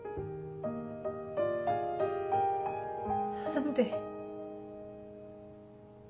何で。